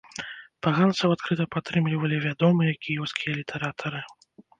Паганцаў адкрыта падтрымлівалі вядомыя кіеўскія літаратары.